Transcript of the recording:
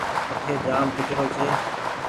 اٺي جآم ڪچرو ڇي۔